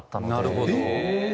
なるほど。